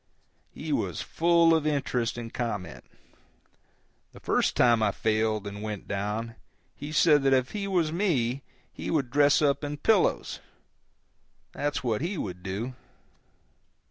He was full of interest and comment. The first time I failed and went down he said that if he was me he would dress up in pillows, that's what he would do.